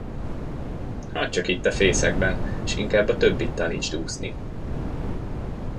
Hagyd csak itt a fészekben, s inkább a többit tanítsd úszni.